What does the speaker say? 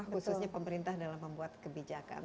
khususnya pemerintah dalam membuat kebijakan